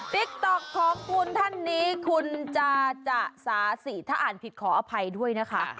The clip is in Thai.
ติ๊กต๊อกของคุณท่านนี้คุณจาจะสาธิถ้าอ่านผิดขออภัยด้วยนะคะ